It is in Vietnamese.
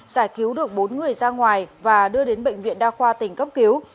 giải cứu được bốn người ra ngoài và đưa đến bệnh viện đa khoa tỉnh cấp cứu